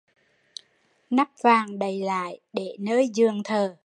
Nắp vàng đậy lại để nơi giường thờ